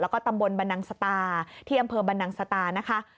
แล้วก็ตำบลบันนังสตาที่อำเภอบรรนังสตานะคะ